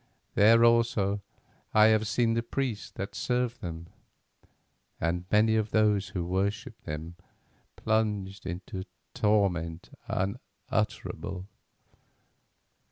There also I have seen the priests that served them, and many of those who worshipped them plunged into torment unutterable.